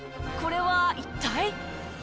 これは一体？